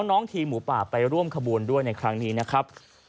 น้องทีมหมูป่าไปร่วมขบวนด้วยในครั้งนี้นะครับ